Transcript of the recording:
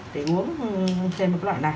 để uống thêm một loại này